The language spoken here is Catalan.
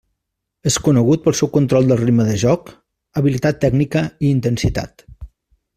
És conegut pel seu control del ritme de joc, habilitat tècnica, i intensitat.